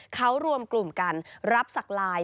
เขารวมกลุ่มกันรับสักลาย